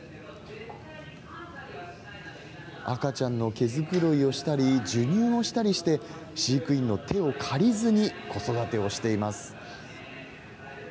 赤ちゃんの毛繕いをしたり授乳をしたりして飼育員の手を借りずに子育てをしています。